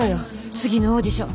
次のオーディション。